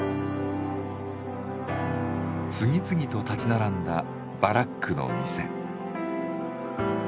次々と建ち並んだバラックの店。